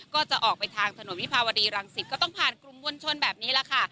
ก็จะออกไปทางถนนวิภาวดีรังสิตก็ต้องผ่านกลุ่มมวลชนแบบนี้แหละค่ะ